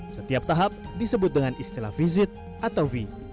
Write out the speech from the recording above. setiap tahap disebut dengan istilah vizit atau v